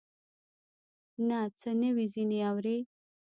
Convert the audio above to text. نه څه نوي ځینې اورې